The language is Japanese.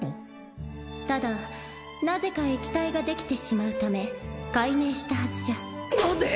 ただなぜか液体ができてしまうため改名したはずじゃなぜ！？